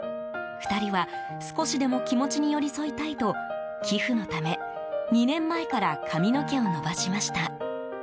２人は、少しでも気持ちに寄り添いたいと寄付のため、２年前から髪の毛を伸ばしました。